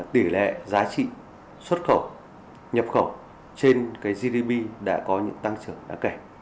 tỉ lệ giá trị xuất khẩu nhập khẩu trên gdp đã có những tăng trưởng đáng kể